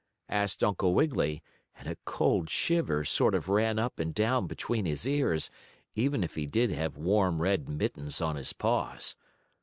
asked Uncle Wiggily, and a cold shiver sort of ran up and down between his ears, even if he did have warm, red mittens on his paws.